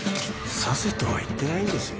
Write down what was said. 刺せとは言ってないんですよ